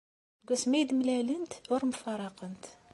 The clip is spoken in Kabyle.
Seg wasmi i mlalent ur mfaraqent.